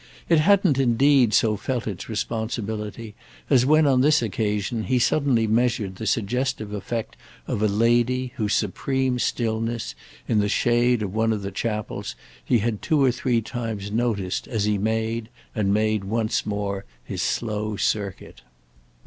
It hadn't indeed so felt its responsibility as when on this occasion he suddenly measured the suggestive effect of a lady whose supreme stillness, in the shade of one of the chapels, he had two or three times noticed as he made, and made once more, his slow circuit.